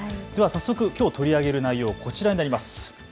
早速きょう取り上げる内容こちらになります。